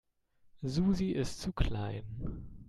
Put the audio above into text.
Susi ist zu klein.